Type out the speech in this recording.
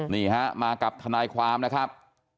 นี่ฮะมากับทนายความนะครับ